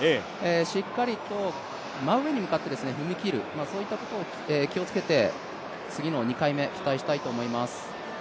しっかり真上に踏み切る、そういったところを気をつけて、次の２回目、期待したいと思います。